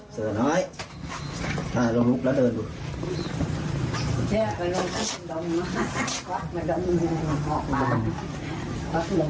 เสริมหายถ้าเราลุกแล้วเดินดูค่ะ